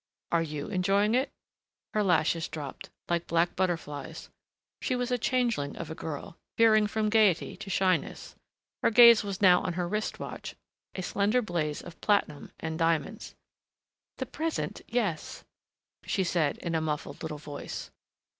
"Are you enjoying it?" Her lashes dropped, like black butterflies. She was a changeling of a girl, veering from gayety to shyness.... Her gaze was now on her wrist watch, a slender blaze of platinum and diamonds. "The present yes," she said in a muffled little voice.